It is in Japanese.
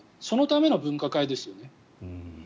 そのための分科会ですよね。